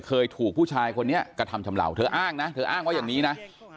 เคยถูกผู้ชายคนนี้กระทำชำเหล่าเธออ้างนะเธออ้างว่าอย่างนี้นะ